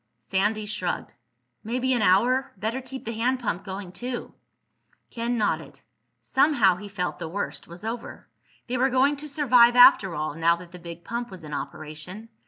Sandy shrugged. "Maybe an hour. Better keep the hand pump going too." Ken nodded. Somehow he felt the worst was over. They were going to survive after all, now that the big pump was in operation.